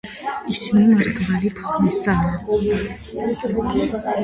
ისინი მრგვალი ფორმისაა.